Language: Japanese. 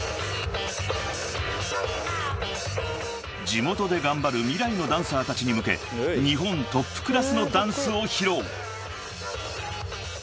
［地元で頑張る未来のダンサーたちに向け日本トップクラスのダンスを披露］